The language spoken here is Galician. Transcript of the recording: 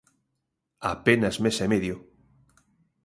Apenas mes e medio.